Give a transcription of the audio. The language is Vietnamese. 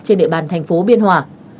trên địa bàn thành phố biên hòa